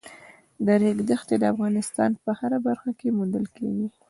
د ریګ دښتې د افغانستان په هره برخه کې موندل کېږي.